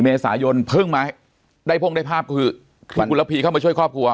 เมษายนเพิ่งมาได้พ่งได้ภาพก็คือคุณระพีเข้ามาช่วยครอบครัว